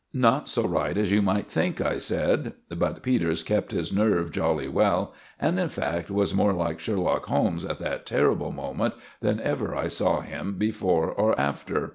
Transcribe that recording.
"Not so right as you might think," I said. But Peters kept his nerve jolly well, and, in fact, was more like Sherlock Holmes at that terrible moment than ever I saw him before or after.